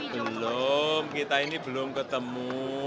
belum kita ketemu